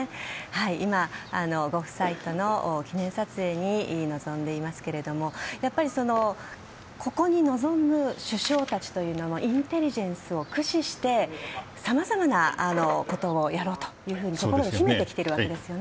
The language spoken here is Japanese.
今、ご夫妻との記念撮影に臨んでいますがやっぱり、ここに臨む首相たちもインテリジェンスを駆使してさまざまなことをやろうというふうに心に秘めてきているわけですよね。